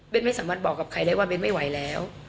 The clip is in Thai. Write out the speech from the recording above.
ไม่สามารถบอกกับใครได้ว่าเบ้นไม่ไหวแล้ว